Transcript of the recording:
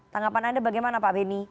tanggapan anda bagaimana pak beni